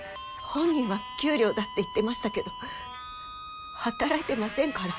本人は給料だって言ってましたけど働いてませんから。